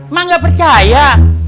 mak tidak percaya